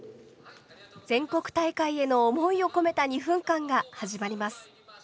全国大会への思いを込めた２分間が始まります。